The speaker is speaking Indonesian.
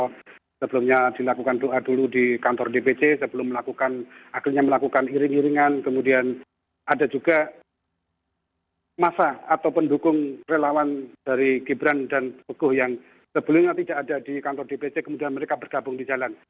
kalau sebelumnya dilakukan doa dulu di kantor dpc sebelum melakukan akhirnya melakukan iring iringan kemudian ada juga masa atau pendukung relawan dari gibran dan tokoh yang sebelumnya tidak ada di kantor dpc kemudian mereka bergabung di jalan